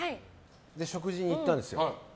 食事に行ったんです。